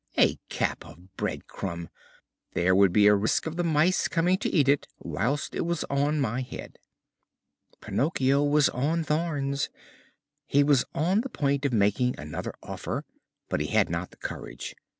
A cap of bread crumb! There would be a risk of the mice coming to eat it whilst it was on my head." Pinocchio was on thorns. He was on the point of making another offer, but he had not the courage.